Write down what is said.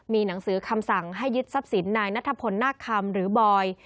มีหนังสือคำสั่งให้ยึดซับสินในนัทพลนธคคธหรือบอย